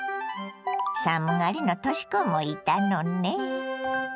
寒がりのとし子もいたのね。